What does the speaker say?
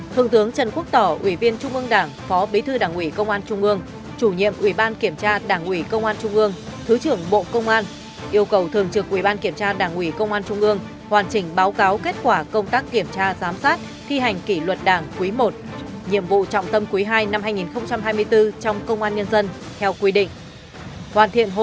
thương tướng trần quốc tỏ ủy viên trung ương đảng phó bí thư đảng ủy công an trung ương chủ nhiệm quy ban kiểm tra đảng ủy công an trung ương thứ trưởng bộ công an yêu cầu thường trực quy ban kiểm tra đảng ủy công an trung ương hoàn chỉnh báo cáo kết quả công tác kiểm tra giám sát thi hành kỷ luật đảng quý i nhiệm vụ trọng tâm quý ii năm hai nghìn hai mươi bốn trong công an nhân dân theo quy định